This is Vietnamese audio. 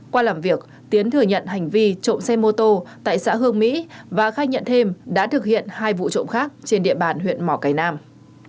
qua làm việc tiến thừa nhận hành vi trộm xe mô tô tại xã hương mỹ và khai nhận thêm đã thực hiện hai vụ trộm khác trên địa bàn huyện mỏ cây nam